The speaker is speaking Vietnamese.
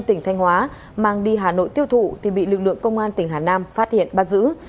tỉnh thanh hóa mang đi hà nội tiêu thụ thì bị lực lượng công an tỉnh hà nam phát hiện bắt giữ